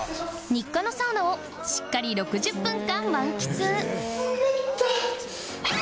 日課のサウナをしっかり６０分間満喫冷たっ！